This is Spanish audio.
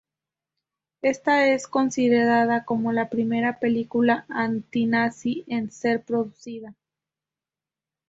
Ésta es considerada como la primera película antinazi en ser producida.